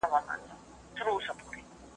زه به ستا د پیغام په تمه یم.